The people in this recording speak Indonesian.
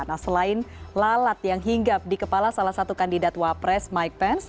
nah selain lalat yang hinggap di kepala salah satu kandidat wapres mike pence